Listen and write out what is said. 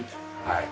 はい。